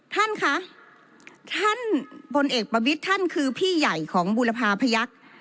ท่านคะท่านพลเอกประวิทย์ท่านคือพี่ใหญ่ของบุรพาพยักษ์